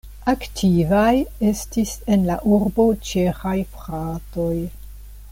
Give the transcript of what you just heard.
Aktivaj estis en la urbo ĉeĥaj fratoj.